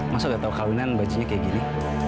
masuk gak tau kahwinan bajunya kayak gini